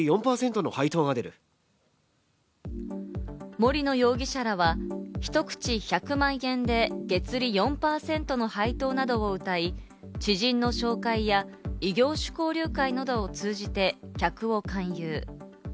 森野容疑者らは、一口１００万円で月利４％の配当などをうたい、知人の紹介や異業種交流会などを通じて客を勧誘。